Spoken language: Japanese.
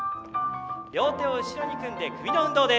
両手を後ろに組んで、首の運動。